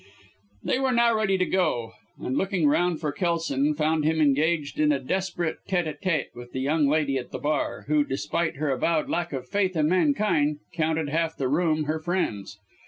They were now ready to go, and looking round for Kelson, found him engaged in a desperate tête à tête with the young lady at the bar, who, despite her avowed lack of faith in mankind, counted half the room her friends.